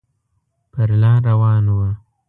پر لار روان و.